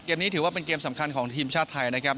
นี้ถือว่าเป็นเกมสำคัญของทีมชาติไทยนะครับ